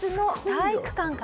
体育館で？